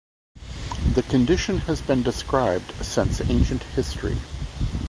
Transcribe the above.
The condition has been described since ancient history.